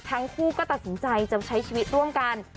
ทั้งคู่ก็ตัดสินใจจะใช้ชีวิตร่วมกัน